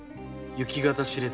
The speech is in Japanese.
行方知れず？